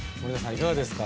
いかがですか？